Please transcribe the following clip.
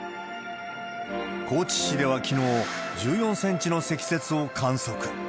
高知市ではきのう、１４センチの積雪を観測。